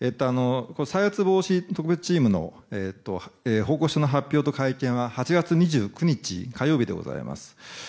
再発防止特別チームの報告書の発表と会見は８月２９日火曜日でございます。